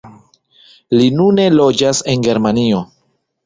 Li nune loĝas en Germanio.